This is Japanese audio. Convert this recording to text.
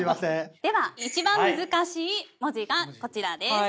では一番難しい文字がこちらです。